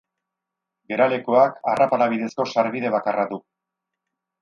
Geralekuak arrapala bidezko sarbide bakarra du.